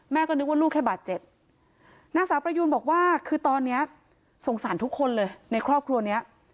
นึกว่าลูกแค่บาดเจ็บนางสาวประยูนบอกว่าคือตอนนี้สงสารทุกคนเลยในครอบครัวเนี้ย